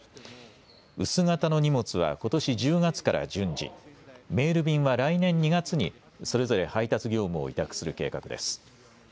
薄型の荷物はことし１０月から順次、メール便は来年２月にそれぞれ配達業務を委託する計画です。